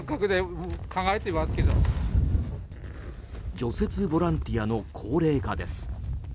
除雪ボランティアの高齢化です。